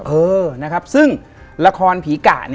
เออนะครับซึ่งละครผีกะ